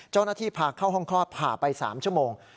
เจ้าหน้าที่พาเข้าห้องคลอดผ่าไป๓ชั่วโมง